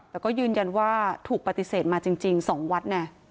แต่ก็ยืนยันว่าถูกปฏิเสธมาจริง๒วัดไง